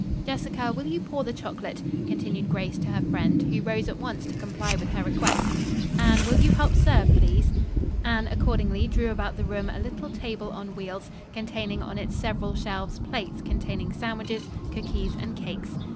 "Jessica, will you pour the chocolate?" continued Grace to her friend, who rose at once to comply with her request. "Anne, will you help serve, please?" Anne accordingly drew about the room a little table on wheels, containing on its several shelves plates containing sandwiches, cookies and cakes.